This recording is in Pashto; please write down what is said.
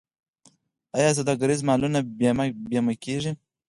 آیا سوداګریز مالونه بیمه کیږي؟